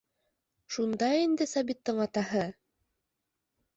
Шунда инде Сабиттың атаһы!